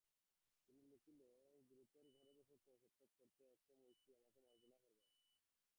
সে লিখিল, গুরুতর-কারণ-বশত আপনাদের সহিত সাক্ষাৎ করিতে অক্ষম হইয়াছি, আমাকে মার্জনা করিবেন।